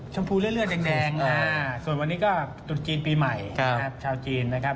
ชมพูเลือดแดงส่วนวันนี้ก็ตรุษจีนปีใหม่นะครับชาวจีนนะครับ